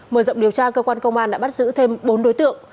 mở rộng điều tra cơ quan công an đã bắt giữ thêm bốn đối tượng